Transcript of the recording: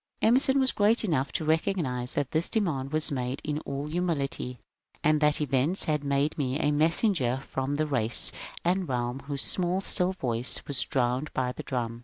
Emerson was great enough to recognize that this demand was made in all humility, and that events had made me a messenger from the race and realm whose small still voice was drowned by the drum.